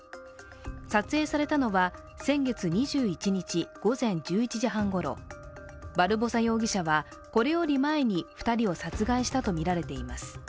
撮影されたのは先月２１日午前１１時半ごろバルボサ容疑者はこれより前に２人を殺害したとみられています。